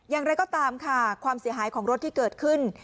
อย่างไรก็ตามค่ะความเสียหายของรถที่เกิดขึ้น